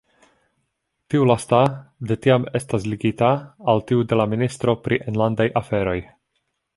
Tiu lasta de tiam estas ligita al tiu de la ministro pri enlandaj aferoj.